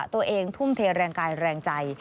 ตัวเองทุ่มเทแรงกายแรงใจ